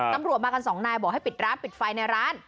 ตำรวจมากันสองนายบอกให้ปิดร้านปิดไฟในร้าน